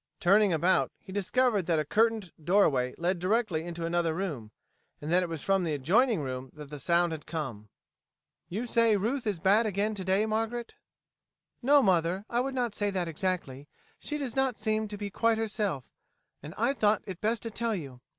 Turning about he discovered that a curtained doorway led directly into another room, and that it was from the adjoining room that the sound had come. "You say Ruth is bad again to day, Margaret?" "No, mother, I would not say that exactly. Yet she does not seem to be quite herself, and I thought it best to tell you.